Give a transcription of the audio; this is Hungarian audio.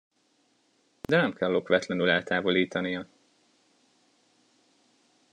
De nem kell okvetlenül eltávolítania.